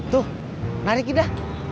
tuh lari kita